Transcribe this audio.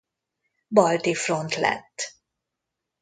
Balti Front lett.